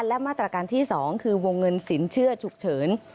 และมาตรการที่๒คือวงเงินสินเชื่อฉุกเฉิน